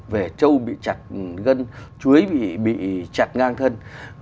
về châu bị chặt gân chuối bị chặt ngang thân